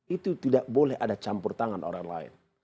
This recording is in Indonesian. itu tidak boleh ada campur tangan orang lain